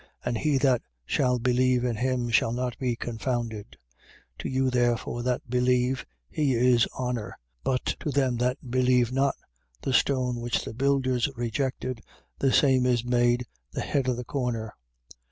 And he that shall believe in him shall not be confounded. 2:7. To you therefore that believe, he is honour: but to them that believe not, the stone which the builders rejected, the same is made the head of the corner: 2:8.